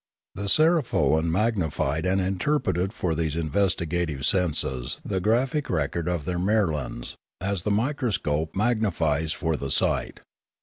Their sarifolan magnified and interpreted for these investigative senses the 133 134 Limanora graphic record of their mirlans, as the microscope mag nifies for the sight.